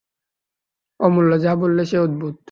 অমূল্য যা বললে সে অদ্ভুত।